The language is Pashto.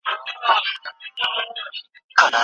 شفق میاشتنۍ په هغه وخت کي ډېره مشهوره وه.